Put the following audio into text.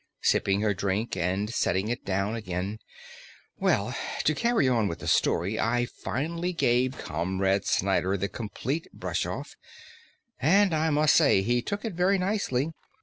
Sipping her drink and setting it down again: "Well, to carry on with the story. I finally gave Comrade Snyder the complete brush off, and I must say he took it very nicely.